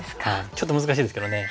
ちょっと難しいですけどね。